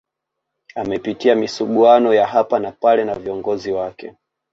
Amepitia misuguano ya hapa na pale na viongozi wake